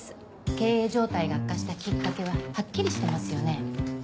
経営状態が悪化したきっかけははっきりしてますよね。